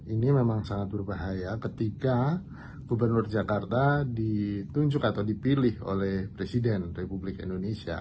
ini memang sangat berbahaya ketika gubernur jakarta ditunjuk atau dipilih oleh presiden republik indonesia